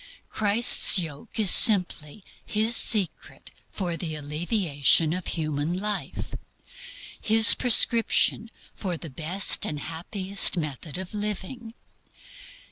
CHRIST'S YOKE is simply His secret for the alleviation of human life, His prescription for the best and happiest method of living.